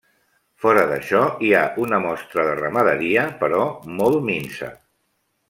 Fora d'això hi ha una mostra de ramaderia, però molt minsa.